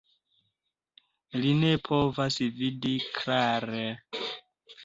Li ne povas vidi klare.